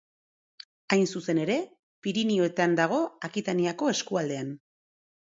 Hain zuzen ere, Pirinioetan dago, Akitaniako eskualdean.